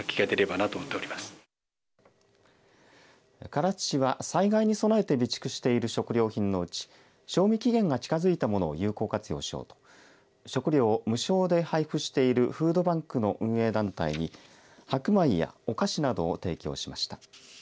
唐津市は災害に備えて備蓄している食料品のうち賞味期限が近づいたものを有効活用しようと食料を無償で配布しているフードバンクの運営団体に白米やお菓子などを提供しました。